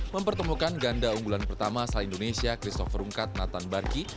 mempertemukan ganda unggulan pertama asal indonesia christopher rungkat nathan barki